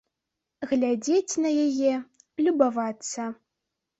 Глядзець на яе, любавацца.